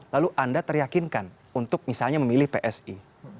lalu anda teryakinkan untuk misalnya memilih psi